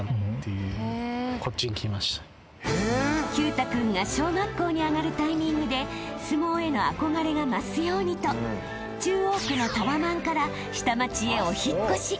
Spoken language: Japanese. ［毬太君が小学校に上がるタイミングで相撲への憧れが増すようにと中央区のタワマンから下町へお引っ越し］